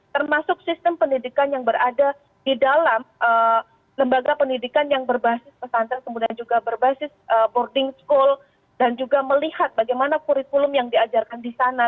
termasuk sistem pendidikan yang berada di dalam lembaga pendidikan yang berbasis pesantren kemudian juga berbasis boarding school dan juga melihat bagaimana kurikulum yang diajarkan di sana